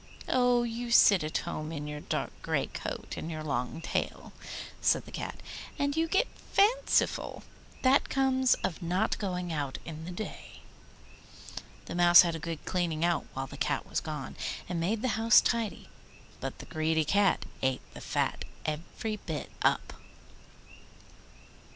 'Oh, you sit at home in your dark grey coat and your long tail,' said the Cat, 'and you get fanciful. That comes of not going out in the day.' The Mouse had a good cleaning out while the Cat was gone, and made the house tidy; but the greedy Cat ate the fat every bit up.